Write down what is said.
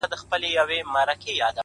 خدای ته دعا زوال د موسيقۍ نه غواړم’